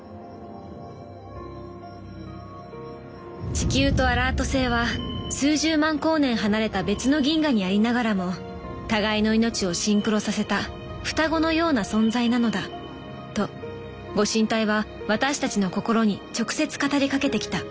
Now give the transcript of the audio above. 地球とアラート星は数十万光年離れた別の銀河にありながらも互いの命をシンクロさせた双子のような存在なのだと御神体は私たちの心に直接語りかけてきた。